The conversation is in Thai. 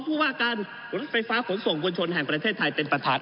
ผู้ว่าการรถไฟฟ้าขนส่งมวลชนแห่งประเทศไทยเป็นประธาน